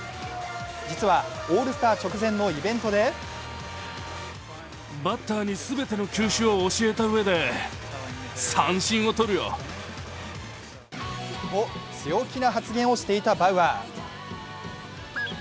実は、オールスター直前のイベントでと、強気な発言をしていたバウアー。